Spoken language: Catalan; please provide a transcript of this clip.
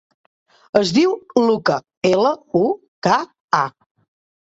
Es diu Luka: ela, u, ca, a.